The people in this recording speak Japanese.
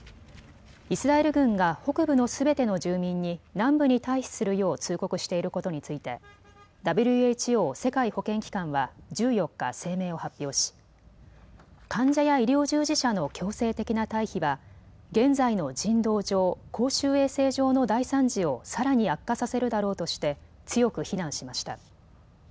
イスラエル軍が北部のすべての住民に南部に退避するよう通告していることについてＷＨＯ・世界保健機関は１４日、声明を発表し患者や医療従事者の強制的な退避は現在の人道上、公衆衛生上の大惨事をさらに悪化させるだろうとして強く非難しました。